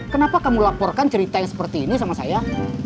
kenapa kamu laporkan cerita yang seperti ini sama saya